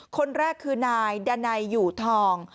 คนแรกคือนายดันัยอยู่ทอง